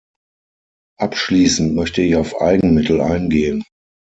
Abschließend möchte ich auf Eigenmittel eingehen.